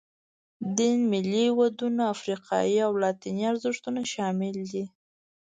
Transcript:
دین، ملي دودونه، افریقایي او لاتیني ارزښتونه شامل دي.